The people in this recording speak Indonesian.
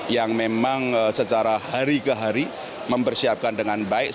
yang memang secara hari ke hari mempersiapkan dengan baik